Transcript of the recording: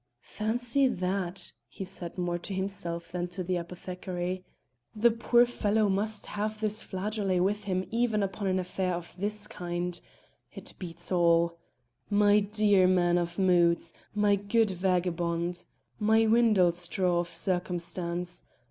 "Fancy that!" he said more to himself than to the apothecary; "the poor fellow must have his flageloet with him even upon an affair of this kind. It beats all! My dear man of moods! my good vagabond! my windlestraw of circumstance!